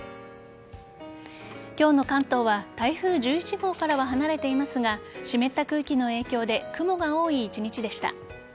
今日の関東は台風１１号からは離れていますが湿った空気の影響で雲が多い一日でした。